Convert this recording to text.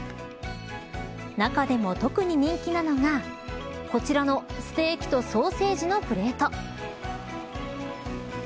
中でも特に人気なのがこちらの、ステーキとソーセージのプレート。